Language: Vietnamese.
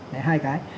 đấy hai cái